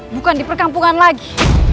bukan di perkampungan lagi